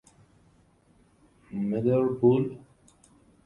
مدر بول